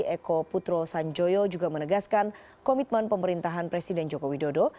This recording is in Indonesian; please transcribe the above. eko putro sanjoyo juga menegaskan komitmen pemerintahan presiden joko widodo